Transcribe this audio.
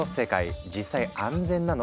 実際安全なの？